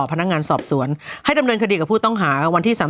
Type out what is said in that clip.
พนักงานสอบสวนให้ดำเนินคดีกับผู้ต้องหาวันที่๓๓